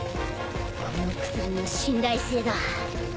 この薬の信頼性だ。